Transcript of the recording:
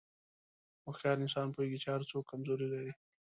هوښیار انسان پوهېږي چې هر څوک کمزوري لري.